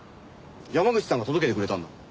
山口さんが届けてくれたんだ。